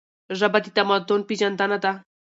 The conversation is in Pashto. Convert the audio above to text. ژبه د تمدن پیژندنه ده.